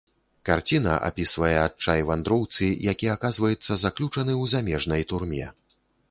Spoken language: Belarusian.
Карціна апісвае адчай вандроўцы, які аказваецца заключаны у замежнай турме.